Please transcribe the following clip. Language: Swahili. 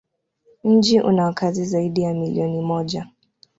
Mji una wakazi zaidi ya milioni moja.